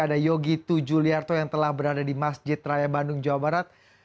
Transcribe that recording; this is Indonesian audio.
ada yogi tujuliarto yang telah berada di masjid raya bandung jawa barat